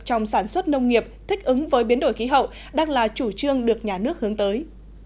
trong sản xuất nông nghiệp thích ứng với biến đổi khí hậu đang là chủ trương được nhà nước hướng tới